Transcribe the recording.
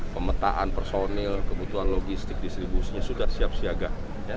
pemetaan personil kebutuhan logistik distribusinya sudah siap siaga